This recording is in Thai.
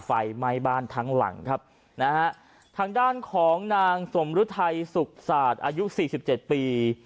ไฟไหม้บ้านทั้งหลังครับนะฮะทางด้านของนางสมฤทัยสุขศาสตร์อายุสี่สิบเจ็ดปี